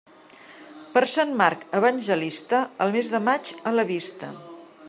Per Sant Marc Evangelista, el mes de maig a la vista.